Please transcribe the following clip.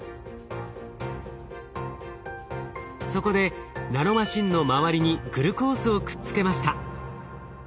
そこでナノマシンの周りにグルコースをくっつけました。